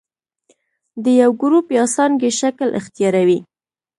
د یو ګروپ یا څانګې شکل اختیاروي.